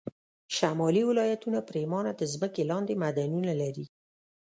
شمالي ولایتونه پرېمانه د ځمکې لاندې معدنونه لري